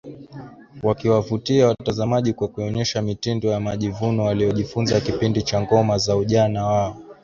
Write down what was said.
wakiwavutia watazamaji kwa kuonyesha mitindo ya majivuno waliyojifunza kipindi cha ngoma za ujana wao